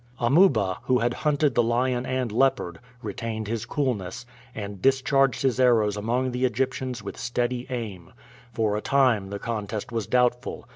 Amuba, who had hunted the lion and leopard, retained his coolness, and discharged his arrows among the Egyptians with steady aim. For a time the contest was doubtful.